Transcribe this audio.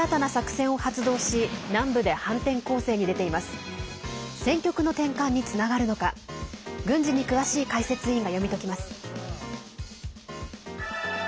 戦局の転換につながるのか軍事に詳しい解説委員が読み解きます。